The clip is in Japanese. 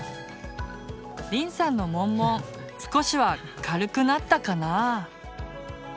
りんさんのモンモン少しは軽くなったかな。